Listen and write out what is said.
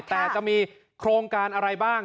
แต่จะมีโครงการอะไรบ้าง